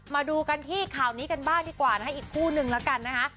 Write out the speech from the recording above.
มาดูกันที่ข่าวนี้กันบ้างดีกว่านะคะอีกคู่นึงแล้วกันนะคะ